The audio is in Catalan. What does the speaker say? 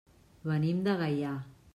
Venim de Gaià.